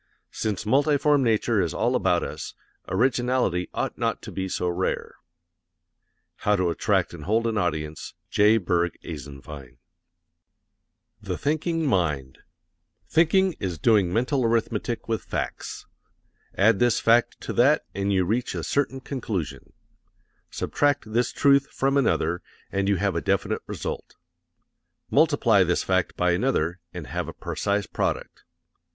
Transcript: Since multiform nature is all about us, originality ought not to be so rare." The Thinking Mind Thinking is doing mental arithmetic with facts. Add this fact to that and you reach a certain conclusion. Subtract this truth from another and you have a definite result. Multiply this fact by another and have a precise product.